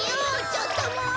ちょっともう！